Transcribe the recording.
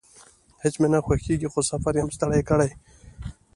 هیڅ مې نه خوښیږي، خو سفر یم ستړی کړی